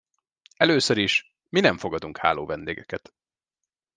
Először is, mi nem fogadunk hálóvendégeket.